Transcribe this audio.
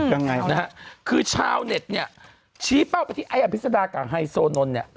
ยังไงนะฮะคือชาวเน็ตเนี่ยชี้เป้าไปที่ไอ้อภิษฎากับไฮโซนนท์เนี่ย